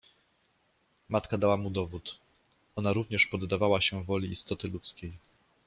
Matka dała mu dowód: ona również poddawała się woli istoty ludzkiej.